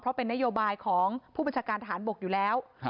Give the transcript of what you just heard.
เพราะเป็นนโยบายของผู้บัญชาการฐานบกอยู่แล้ว